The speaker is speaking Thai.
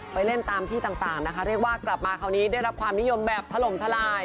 เล่นตามที่ต่างนะคะเรียกว่ากลับมาคราวนี้ได้รับความนิยมแบบถล่มทลาย